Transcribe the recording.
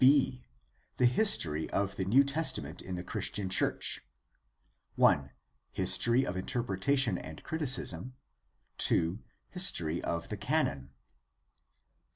II. The History of the New Testament in the Christian Church. 1. History of interpretation and criticism. 2. History of the Canon.